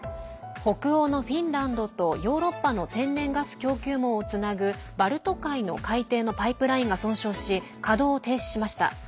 北欧のフィンランドとヨーロッパの天然ガス供給網をつなぐバルト海の海底のパイプラインが損傷し、稼働を停止しました。